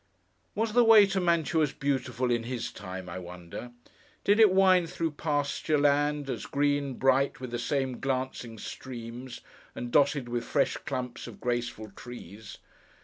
Was the way to Mantua as beautiful, in his time, I wonder! Did it wind through pasture land as green, bright with the same glancing streams, and dotted with fresh clumps of graceful trees!